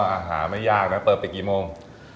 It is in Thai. อาหารไม่ยากนะเปิดปิดกี่โมง